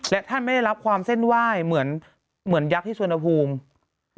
และท่านไม่ได้รับความเส้นไหว้เหมือนยักษ์ที่สวนภูมิ